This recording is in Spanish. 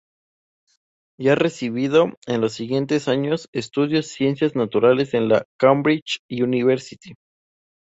Ya recibido, en los siguientes años, estudió Ciencias naturales en la Cambridge University.